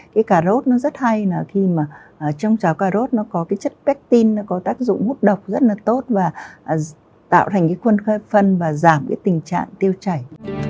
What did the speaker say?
cái cà rốt nó rất hay là khi mà trong chào cà rốt nó có cái chất beeting nó có tác dụng hút độc rất là tốt và tạo thành cái khuôn và giảm cái tình trạng tiêu chảy